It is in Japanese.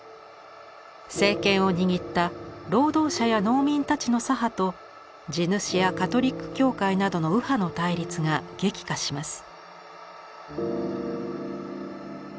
政権を握った労働者や農民たちの左派と地主やカトリック教会などの右派の対立が激化します。